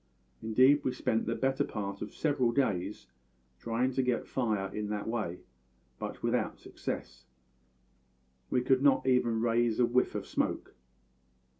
Indeed we spent the better part of several days trying to get fire in that way, but without success; we could not even raise a whiff of smoke.